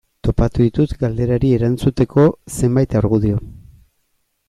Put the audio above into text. Topatu ditut galderari erantzuteko zenbait argudio.